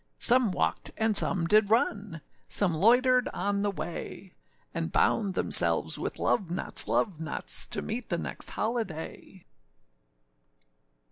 Some walked, and some did run, Some loitered on the way; And bound themselves with love knots, love knots, To meet the next holiday.